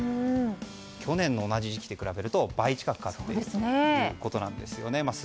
去年の同じ時期と比べると倍近く勝っているということです。